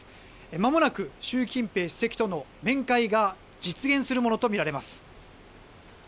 まもなく習近平主席との面会が実現するものとみられます。